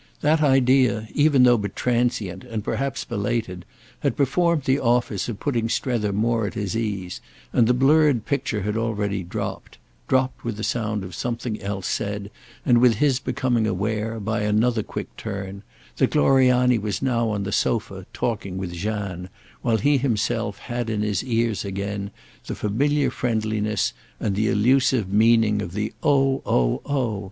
That idea, even though but transient and perhaps belated, had performed the office of putting Strether more at his ease, and the blurred picture had already dropped—dropped with the sound of something else said and with his becoming aware, by another quick turn, that Gloriani was now on the sofa talking with Jeanne, while he himself had in his ears again the familiar friendliness and the elusive meaning of the "Oh, oh, oh!"